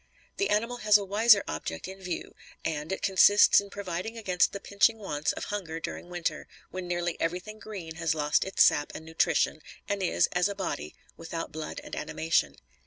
The animal has a wiser object in view; and, it consists in providing against the pinching wants of hunger during winter, when nearly everything green has lost its sap and nutrition, and is, as a body, without blood and animation.